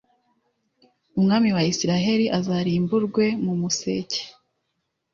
umwami wa Israheli azarimburwe, mumuseke